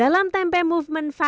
dalam tempe movement fast